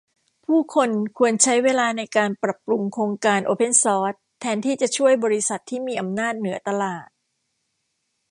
ผู้คนควรใช้เวลาในการปรับปรุงโครงการโอเพนซอร์ซแทนที่จะช่วย บริษัท ที่มีอำนาจเหนือตลาด